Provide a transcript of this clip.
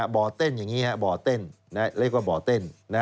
บ่อเต้นเรียกว่าบ่อเต้น